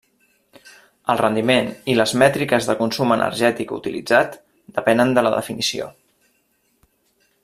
El rendiment i les mètriques de consum energètic utilitzat depenen de la definició.